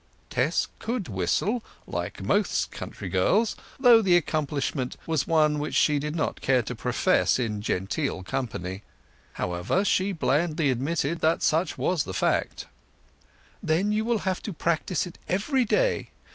Tess could whistle like most other country girls, though the accomplishment was one which she did not care to profess in genteel company. However, she blandly admitted that such was the fact. "Then you will have to practise it every day.